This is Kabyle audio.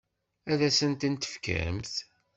Ad asen-tent-tefkemt?